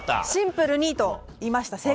シンプルにと言いました。